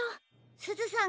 すずさん